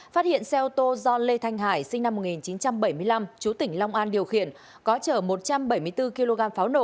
phát hiện xe ô tô do lê thanh hải sinh năm một nghìn chín trăm bảy mươi năm chú tỉnh long an điều khiển có chở một trăm bảy mươi bốn kg pháo nổ